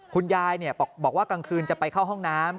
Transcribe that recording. คุณยายบอกว่ากลางคืนจะไปเข้าห้องน้ำ